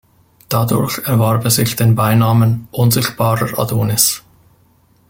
Dadurch erwarb er sich den Beinamen „unsichtbarer Adonis“.